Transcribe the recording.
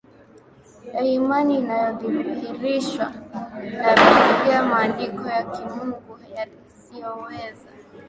ya imani inayodhihirishwa na Biblia maandiko ya Kimungu yasiyoweza